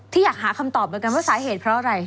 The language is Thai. ที่อยากหาคำตอบเหมือนกันว่าสาเหตุเพราะอะไร